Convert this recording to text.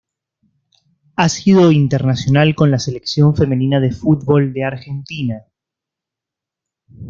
Ha sido internacional con la Selección femenina de fútbol de Argentina.